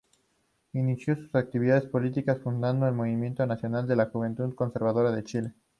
Inició sus actividades políticas fundado el Movimiento Nacional de la Juventud Conservadora de Chile.